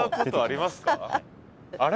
あれ？